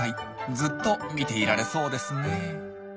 ずっと見ていられそうですねえ。